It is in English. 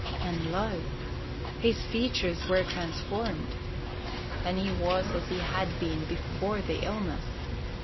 And, lo! his features were transformed, and he was as he had been before the illness.